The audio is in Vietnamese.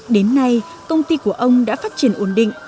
đến nay công ty của ông đã phát triển ổn định